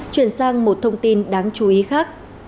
chuyển sang một thông tin đáng chú ý khác